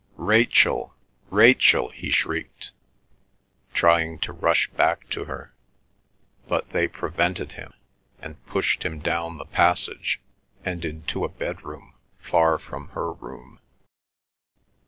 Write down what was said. "Rachel! Rachel!" he shrieked, trying to rush back to her. But they prevented him, and pushed him down the passage and into a bedroom far from her room.